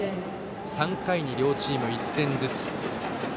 ３回に両チーム、１点ずつ。